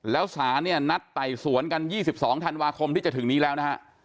แล้วสารเนี่ยนัดไต่สวนกัน๒๒ธันวาคมที่จะถึงนี้แล้วนะฮะ